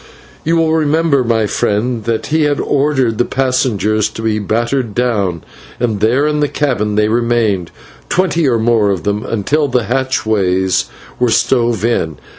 You will remember, my friend, that he had ordered the passengers to be battened down, and there in the cabin they remained, twenty or more of them, until the hatchways were stove in.